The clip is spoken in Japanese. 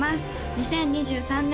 ２０２３年